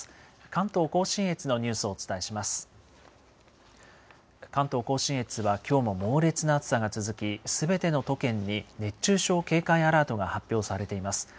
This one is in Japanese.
関東甲信越はきょうも猛烈な暑さが続き、すべての都県に熱中症警戒アラートが発表されています。